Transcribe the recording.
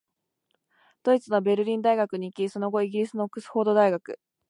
ドイツのベルリン大学に行き、その後、イギリスのオックスフォード大学、